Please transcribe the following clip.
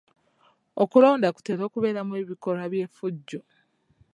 Okulonda kutera okubeeramu ebikolwa by'effujjo.